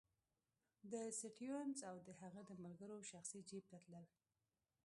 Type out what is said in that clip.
د سټیونز او د هغه د ملګرو شخصي جېب ته تلل.